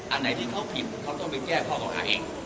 อันไหนที่เขาผิดเขาต้องไปแก้ข้อเก่าหาเอง